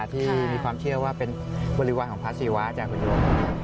ที่มีความเชื่อว่าเป็นบริเวณของพระศรีวะอคุณยม